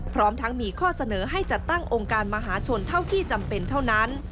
พร้อมทั้งมีข้อเสนอให้จัดตั้งองค์การมหาชนเท่าที่จำเป็นเท่านั้น